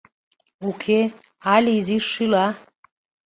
Уке, але изиш шӱла...